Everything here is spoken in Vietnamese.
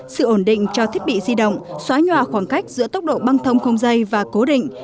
giúp cho thiết bị di động xóa nhoa khoảng cách giữa tốc độ băng thông không dây và cố định